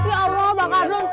ya allah bang kardun